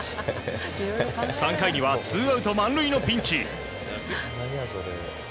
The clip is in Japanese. ３回にはツーアウト満塁のピンチ。